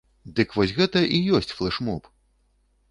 Дык вось гэта і ёсць флэш-моб.